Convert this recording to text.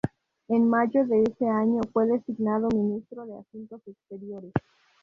En mayo de ese año fue designado ministro de asuntos exteriores.